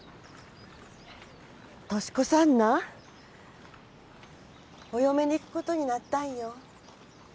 俊子さんなお嫁に行くことになったんよ